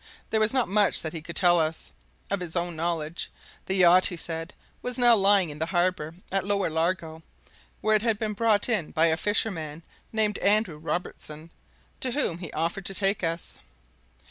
There was not much that he could tell us, of his own knowledge. The yacht, he said, was now lying in the harbour at Lower Largo, where it had been brought in by a fisherman named Andrew Robertson, to whom he offered to take us.